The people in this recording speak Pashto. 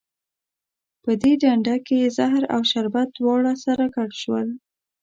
په دې ډنډه کې زهر او شربت دواړه سره ګډ شول.